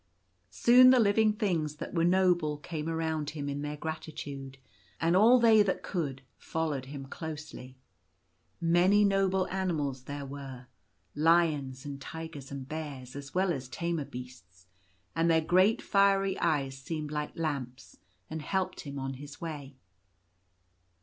Soon the living things that were noble came around him in their gratitude ; and all they that could followed him closely. Many noble animals there were, — lions and tigers and bears, as well as tamer beasts ; and their great fiery eyes seemed like lamps, and helped him on his way.